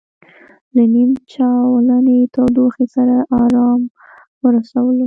له نیم چالانې تودوخې سره ارام ورسولو.